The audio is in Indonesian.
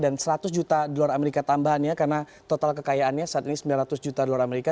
dan seratus juta dolar amerika tambahannya karena total kekayaannya saat ini sembilan ratus juta dolar amerika